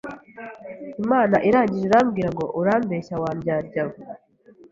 Imana irangije irambwira ngo urambeshya wa ndyarya we